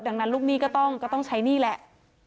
ดังนั้นลูกหนี้ก็ต้องใช้หนี้แหละ